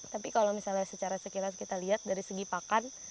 tapi kalau misalnya secara sekilas kita lihat dari segi pakan